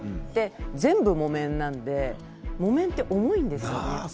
全部、木綿なので木綿は重たいですよね。